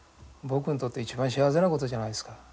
僕にとって一番幸せなことじゃないですか？